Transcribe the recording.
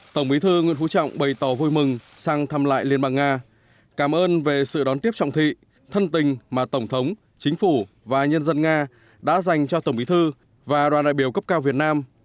tổng bí thư nguyễn phú trọng bày tỏ vui mừng sang thăm lại liên bang nga cảm ơn về sự đón tiếp trọng thị thân tình mà tổng thống chính phủ và nhân dân nga đã dành cho tổng bí thư và đoàn đại biểu cấp cao việt nam